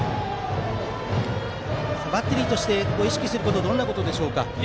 バッテリーとして意識することはどんなことでしょうか。